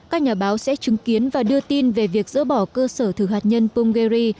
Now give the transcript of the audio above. các nhà báo sẽ chứng kiến và đưa tin về việc dỡ bỏ cơ sở thử hạt nhân punggeria